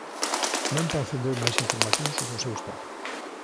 Non transcendeu máis información sobre o seu estado.